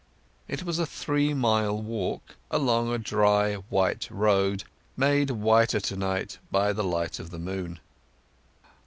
It was a three mile walk, along a dry white road, made whiter to night by the light of the moon.